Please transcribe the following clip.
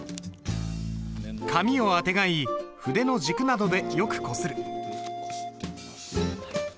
紙をあてがい筆の軸などでよくこする。